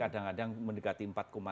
kadang kadang mendekati empat